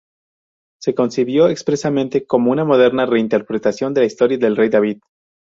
Se concibió expresamente como una moderna reinterpretación de la historia del rey David.